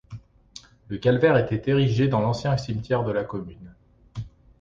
Le calvaire était érigé dans l'ancien cimetière de la commune.